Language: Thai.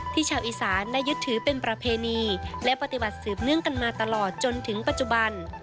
ชาวอีสานได้ยึดถือเป็นประเพณีและปฏิบัติสืบเนื่องกันมาตลอดจนถึงปัจจุบัน